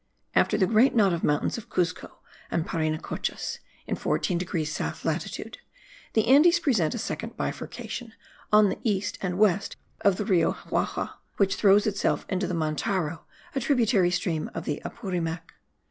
After the great knot of mountains of Cuzco and Parinacochas, in 14 degrees south latitude, the Andes present a second bifurcation, on the east and west of the Rio Jauja, which throws itself into the Mantaro, a tributary stream of the Apurimac.